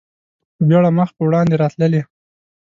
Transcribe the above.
په بېړه مخ په وړاندې راتللې.